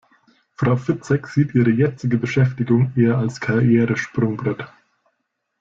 Frau Fitzek sieht ihre jetzige Beschäftigung eher als Karrieresprungbrett.